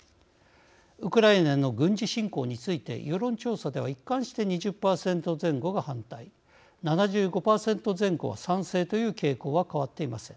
ウクライナへの軍事侵攻について世論調査では一貫して２０％前後が反対７５％前後は賛成という傾向は変わっていません。